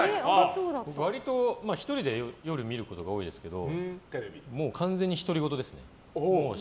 割と、１人で夜見ることが多いですけど完全に独り言ですね。